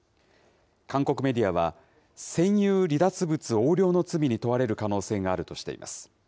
韓国メディアは、占有離脱物横領の罪に問われる可能性あるとしています。